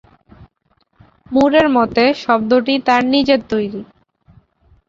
মুরের মতে শব্দটি তার নিজের তৈরি।